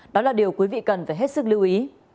đó là điều quý vị cần phải hết sức lưu ý